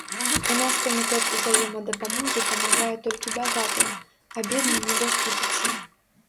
У нас камітэт узаемадапамогі памагае толькі багатым, а бедны не даступіцца.